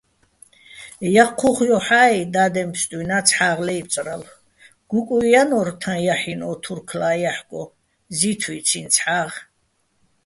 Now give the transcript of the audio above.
ჲაჴჴუხ ჲოჰ̦ა́ჲ, დადემფსტუა́ჲ ცჰ̦ა́ღ ლაჲბწრალო̆, გუკუჲ ჲანო́რ თაჼ ჲაჰ̦ინო̆ ო თურქლა ჲაჰ̦გო ზითვიციჼ ცჰ̦ა́ღ.